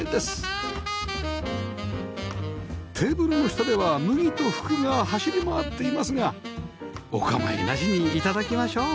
テーブルの下では麦と福が走り回っていますがお構いなしに頂きましょう